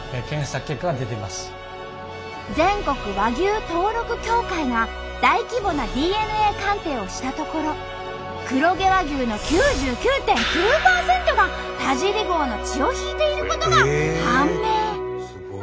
全国和牛登録協会が大規模なＤＮＡ鑑定をしたところ黒毛和牛の９９．９％が田尻号の血を引いていることが判明。